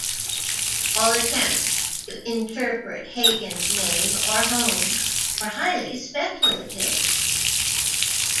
All attempts to interpret Hagen's name or home are highly speculative.